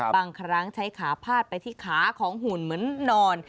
บางครั้งใช้ขาพาดไปที่ขาของหุ่นเหมือนนอน